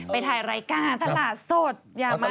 ไปถ่ายไร้การะตลาดสดยามาซิ